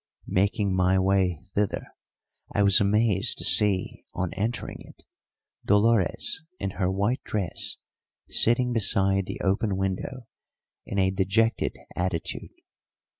Making my way thither, I was amazed to see, on entering it, Dolores in her white dress sitting beside the open window in a dejected attitude.